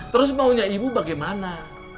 terus maunya ibu bagaimana